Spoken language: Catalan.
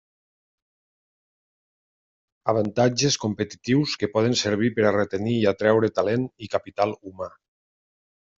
Avantatges competitius que poden servir per a retenir i atraure talent i capital humà.